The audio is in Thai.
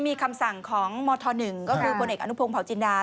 มีคำสั่งของมธ๑ก็คือผลเอกอนุพงศ์เผาจินดา